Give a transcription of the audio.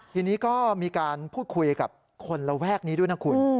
ทีนี้ก็มีการพูดคุยกับคนระแวกนี้ด้วยนะคุณ